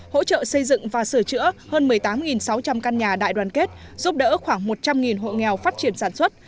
hỗ trợ xây dựng và sửa chữa hơn một mươi tám sáu trăm linh căn nhà đại đoàn kết giúp đỡ khoảng một trăm linh hộ nghèo phát triển sản xuất